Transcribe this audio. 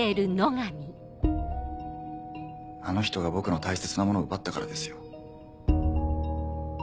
あの人が僕の大切なものを奪ったからですよ。